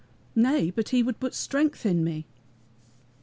Nay, but he would put strength in me."